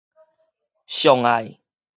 上愛